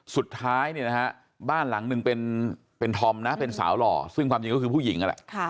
สุดท้ายเนี่ยนะฮะบ้านหลังหนึ่งเป็นธอมนะเป็นสาวหล่อซึ่งความจริงก็คือผู้หญิงนั่นแหละ